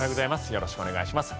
よろしくお願いします。